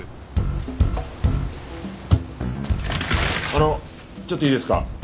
あのちょっといいですか？